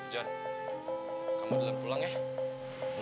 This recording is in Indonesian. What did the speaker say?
jon kamu dulu pulang ya